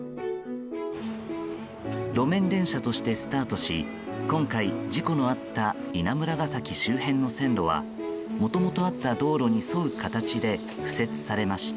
路面電車としてスタートし今回、事故のあった稲村ヶ崎周辺の線路はもともとあった道路に沿う形で敷設されました。